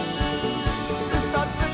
「うそつき！」